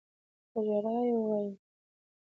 په ژړا يې وويل نانىه.